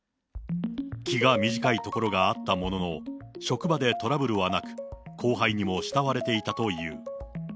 気が短いところがあったものの、職場でトラブルはなく、後輩にも慕われていたという。